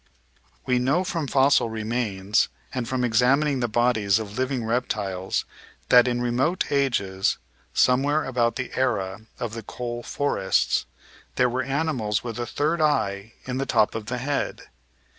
We know from fossil remains and from examining the bodies of living reptiles that in remote ages — somewhere about the era of the Coal Forests — there were animals with a third eye, in the 820 The Outline of Science top of the head.